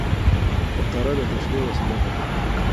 فقره د تشریح وسیله ده.